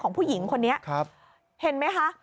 ผู้หญิงคนนี้เห็นไหมคะ